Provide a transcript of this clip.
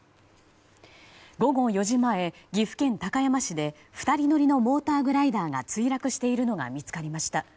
午後４時前、岐阜県高山市で２人乗りのモーターグライダーが墜落しているのが見つかりました。